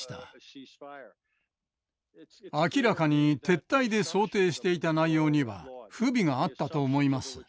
明らかに撤退で想定していた内容には不備があったと思います。